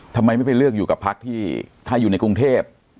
ทำไมไม่ไปเลือกอยู่กับพักที่ถ้าอยู่ในกรุงเทพ